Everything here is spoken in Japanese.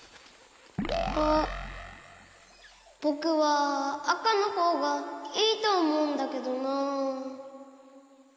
こころのこえぼくはあかのほうがいいとおもうんだけどな。